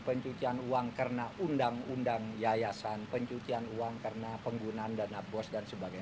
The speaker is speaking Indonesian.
pencucian uang karena undang undang yayasan pencucian uang karena penggunaan dana bos dan sebagainya